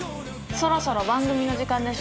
そろそろ番組の時間でしょ？